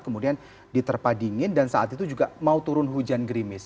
kemudian diterpa dingin dan saat itu juga mau turun hujan gerimis